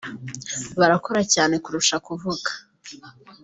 barakora cyane kurusha kuvuga